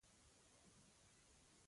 خلک جوپه جوپه ولاړ وو په تمه د لمانځه.